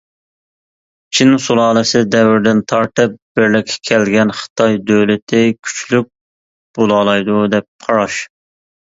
چىن سۇلالىسى دەۋرىدىن تارتىپ «بىرلىككە كەلگەن خىتاي دۆلىتى كۈچلۈك بولالايدۇ» دەپ قاراش.